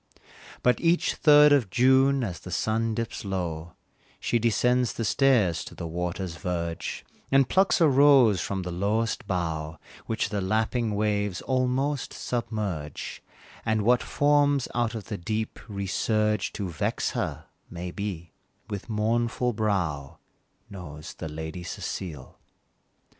But each third of June as the sun dips low, She descends the stairs to the water's verge, And plucks a rose from the lowest bough Which the lapping waves almost submerge, And what forms out of the deep, resurge To vex her, maybe, with mournful brow, Knows the Lady Cecile.